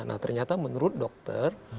nah ternyata menurut dokter